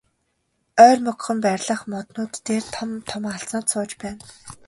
Ойрмогхон байрлах моднууд дээр том том аалзнууд сууж байна.